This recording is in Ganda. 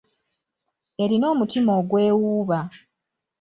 Erina omutima ogwewuuba.